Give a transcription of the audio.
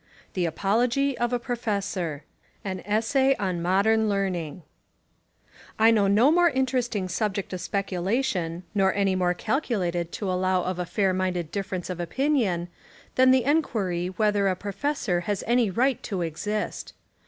— The Apology of a Professor An Essay on Modern Learning I KNOW no more interesting subject of speculation, nor any more calculated to allow of a fair minded difference of opinion, than the enquiry whether a professor has any right to exist.